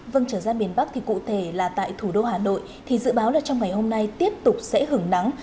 vâng trở ra miền bắc thì cụ thể là tại thủ đô hà nội thì dự báo là trong ngày hôm nay tiếp tục sẽ hưởng nắng